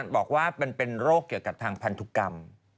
บอกว่ามันเป็นโรคแก่กับพันธุกรรม